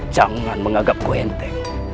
jangan menganggapku enteng